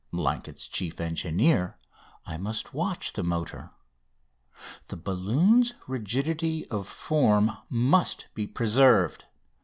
Like its chief engineer, I must watch the motor. The balloon's rigidity of form must be preserved.